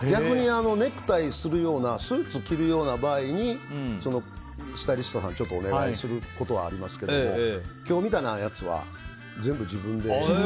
ネクタイするようなスーツを着るような場合にスタイリストさんにお願いすることはありますけど今日みたいなやつは全部自分で。